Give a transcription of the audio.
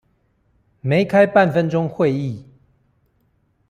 沒開半分鐘會議